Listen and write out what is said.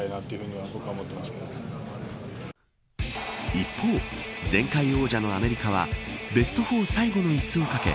一方、前回王者のアメリカはベスト４最後の椅子を懸け